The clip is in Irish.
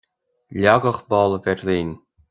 Leagadh Balla Bheirlín.